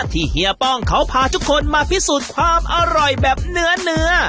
เฮียป้องเขาพาทุกคนมาพิสูจน์ความอร่อยแบบเนื้อเนื้อ